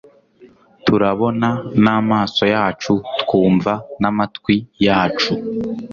Turabona n'amaso yacu twumva n'amatwi yacu